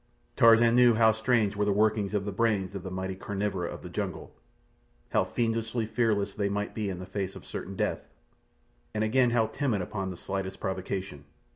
Tarzan knew how strange were the workings of the brains of the mighty carnivora of the jungle—how fiendishly fearless they might be in the face of certain death, and again how timid upon the slightest provocation.